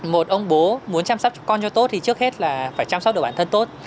một ông bố muốn chăm sóc con cho tốt thì trước hết là phải chăm sóc được bản thân tốt